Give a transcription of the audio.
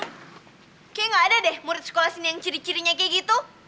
kayaknya nggak ada deh murid sekolah sini yang ciri cirinya kayak gitu